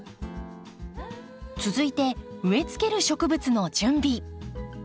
続いて植えつける植物の準備。